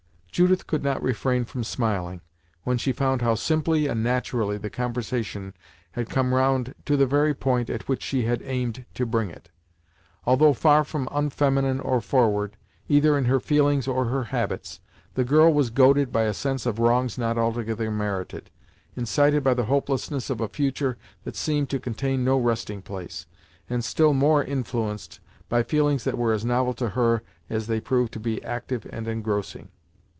Judith could not refrain from smiling, when she found how simply and naturally the conversation had come round to the very point at which she had aimed to bring it. Although far from unfeminine or forward, either in her feelings or her habits, the girl was goaded by a sense of wrongs not altogether merited, incited by the hopelessness of a future that seemed to contain no resting place, and still more influenced by feelings that were as novel to her as they proved to be active and engrossing.